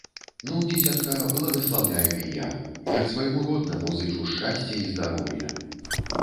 Ну, дзіцятка, благаслаўляю і я, як свайму роднаму, зычу шчасця і здароўя.